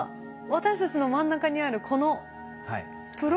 私たちの真ん中にあるこのプロペラみたいな。